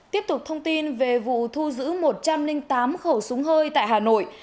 tiếp tục thông tin về vụ thu giữ một trăm linh tám khẩu súng hơi tại hà nội